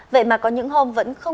vậy mà có những hôm vẫn không có đường